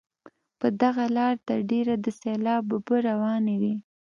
په دغه لاره تر ډېره د سیلاب اوبه روانې وي.